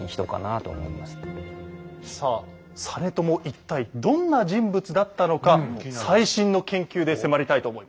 一体どんな人物だったのか最新の研究で迫りたいと思います。